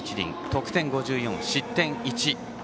得点５４、失点１。